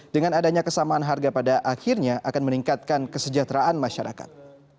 dengan adanya kesamaan harga pada akhirnya akan meningkatkan kesejahteraan masyarakat